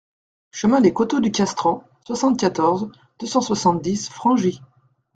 Chemin des Côteaux du Castran, soixante-quatorze, deux cent soixante-dix Frangy